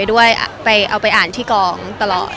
แล้วก็เอาหนังสือไปด้วยไปเอาไปอ่านที่กองตลอดค่ะ